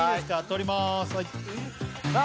取りますはいさあ